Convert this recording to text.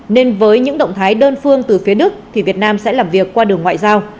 nên với những động thái đơn phương từ phía đức thì việt nam sẽ làm việc qua đường ngoại giao